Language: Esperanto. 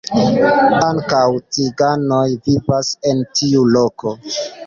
Ankaŭ ciganoj vivas en tiu loko.